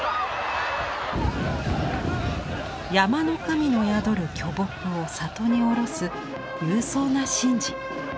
山の神の宿る巨木を里に降ろす勇壮な神事。